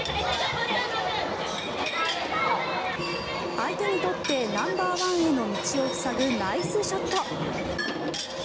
相手にとってナンバーワンへの道を塞ぐナイスショット。